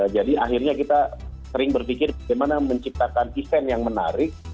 jadi akhirnya kita sering berpikir bagaimana menciptakan event yang menarik